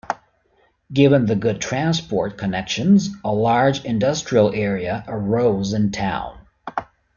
Given the good transport connections, a large industrial area arose in town.